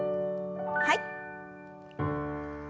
はい。